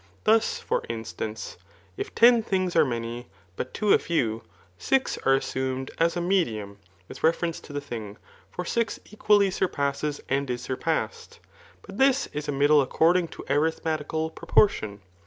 Thus^ for iostanee, if ten things are many, but two a few, six are assumed as a medium with reference to the thing, for six equally sur^ passes and is surpassed. But this is a middle according to arithmetical proportion.